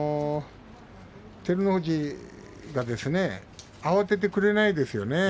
照ノ富士が慌ててくれないですよね。